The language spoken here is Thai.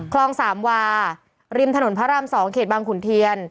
คลองสามวาริมถนนพระราม๒เขตบางขุนเทียน